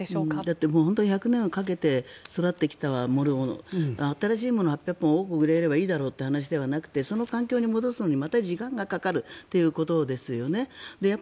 だって本当に１００年かけて育ってきたものが新しいものを植えればいいだろうという話じゃなくてその環境に戻すのにまた時間がかかるということですよね。